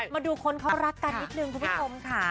มาดูคนเขารักกันนิดนึงทุกคนค่ะ